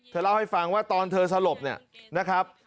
เล่าให้ฟังว่าตอนเธอสลบเนี่ยนะครับ